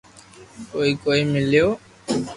ڪوئي ڪوئي ميليو